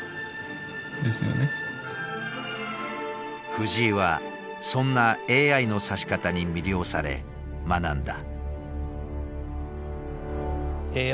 藤井はそんなＡＩの指し方に魅了され学んだ。